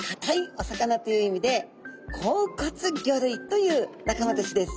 お魚という意味で硬骨魚類という仲間たちです。